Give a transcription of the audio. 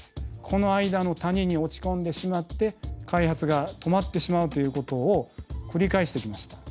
この間の谷に落ち込んでしまって開発が止まってしまうということを繰り返してきました。